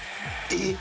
えっ？